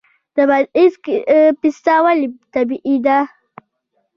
د بادغیس پسته ولې طبیعي ده؟